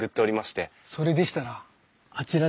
それでしたらあちらです。